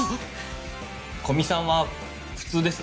古見さんは普通です。